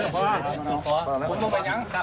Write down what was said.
พ่อขอบคุณครับ